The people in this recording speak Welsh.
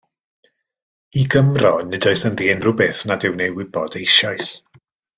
I Gymro nid oes ynddi unrhyw beth nad yw'n ei wybod eisoes.